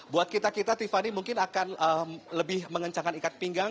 buat kita kita tiffany mungkin akan lebih mengencangkan ikat pinggang